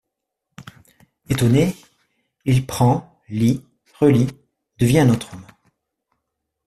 Étonné, il prend, lit, relit, devient un autre homme.